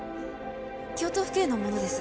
京都府警の者です。